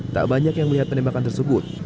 tak banyak yang melihat penembakan tersebut